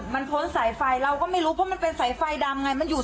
แล้วก็ทำอะไรไม่ถูกก็เลยจอดตรงนี้เนี่ย